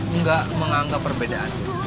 enggak menganggap perbedaan